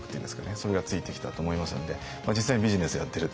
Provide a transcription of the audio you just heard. それがついてきたと思いますので実際にビジネスをやっていると